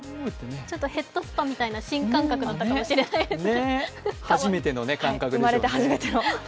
ヘッドスパみたいな新感覚だったのかもしれないですね。